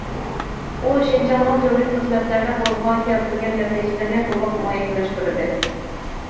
ئۇ شىنجاڭنىڭ تۈرلۈك خىزمەتلەردە قولغا كەلتۈرگەن نەتىجىلىرىنى تولۇق مۇئەييەنلەشتۈردى.